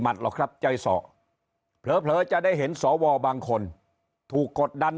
หรอกครับใจสอเผลอจะได้เห็นสวบางคนถูกกดดัน